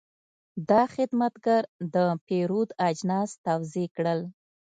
دا خدمتګر د پیرود اجناس توضیح کړل.